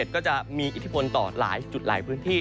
ก็จะมีอิทธิพลต่อหลายจุดหลายพื้นที่